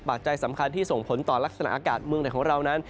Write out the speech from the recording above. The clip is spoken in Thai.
จัยสำคัญที่ส่งผลต่อลักษณะอากาศเมืองไหนของเรานั้น